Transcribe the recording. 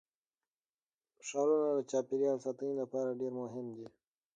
ښارونه د چاپیریال ساتنې لپاره ډېر مهم دي.